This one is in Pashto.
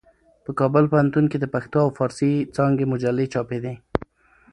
په کابل پوهنتون کې د پښتو او فارسي څانګې مجلې چاپېدې.